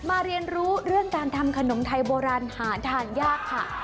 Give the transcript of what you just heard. เรียนรู้เรื่องการทำขนมไทยโบราณหาทานยากค่ะ